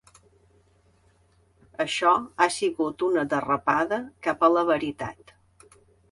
Això ha sigut una derrapada cap a la veritat.